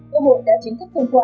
quốc hội đã chính thức thông qua